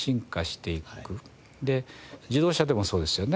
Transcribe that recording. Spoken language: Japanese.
で自動車でもそうですよね。